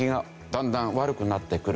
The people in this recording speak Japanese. だんだん悪くなってくる。